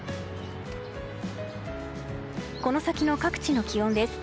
この先の各地の気温です。